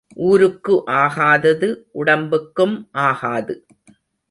ஊருக்கு ஆகாதது உடம்புக்கும் ஆகாது.